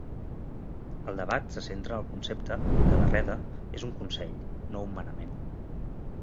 El debat se centra en el concepte que la 'Rede' és un consell, no un manament.